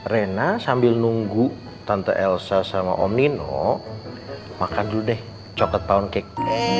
rena sambil nunggu tante elsa sama om nino makan dulu deh coklat poundcake